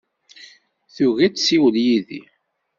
Tugi ad tessiwel yid-i.